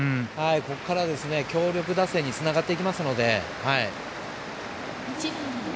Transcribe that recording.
ここから強力打線につながっていきますので。